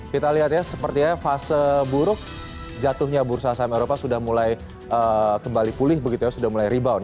kita lihat ya sepertinya fase buruk jatuhnya bursa saham eropa sudah mulai kembali pulih begitu ya sudah mulai rebound